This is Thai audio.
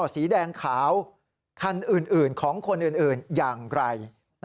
สีแดงขาวคันอื่นของคนอื่นอย่างไร